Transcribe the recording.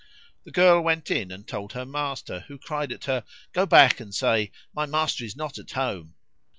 '" The girl went in and told her master, who cried at her, "Go back and say, 'My master is not at home.'"